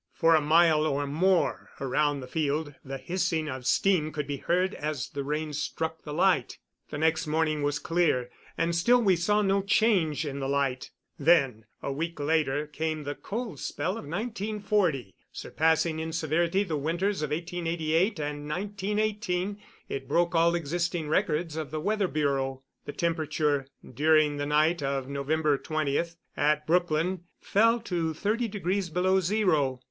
For a mile or more around the field the hissing of steam could be heard as the rain struck the light. The next morning was clear, and still we saw no change in the light. Then, a week later, came the cold spell of 1940. Surpassing in severity the winters of 1888 and 1918, it broke all existing records of the Weather Bureau. The temperature during the night of November 20, at Brookline, fell to thirty degrees below zero.